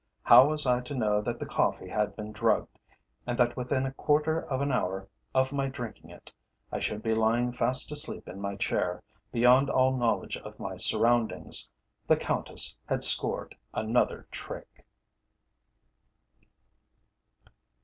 How was I to know that the coffee had been drugged, and that within a quarter of an hour of my drinking it, I should be lying fast asleep in my chair, beyond all knowledge of my surroundings. The Countess had scored another trick.